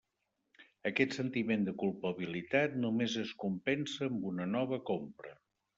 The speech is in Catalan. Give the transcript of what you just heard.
Aquest sentiment de culpabilitat només es compensa amb una nova compra.